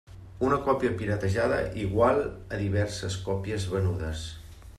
Una còpia “piratejada” igual a diverses còpies venudes.